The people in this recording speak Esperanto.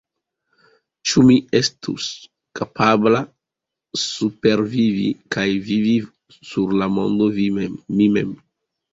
Ĉu mi estus kapabla supervivi kaj vivi sur la mondo mi mem?